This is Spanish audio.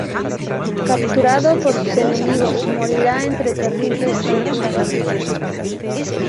Capturado por sus enemigos, morirá entre terribles torturas.